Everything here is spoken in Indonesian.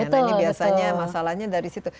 nah ini biasanya masalahnya dari situ